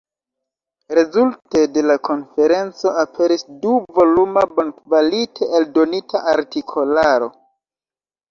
Rezulte de la konferenco aperis du-voluma bonkvalite eldonita artikolaro.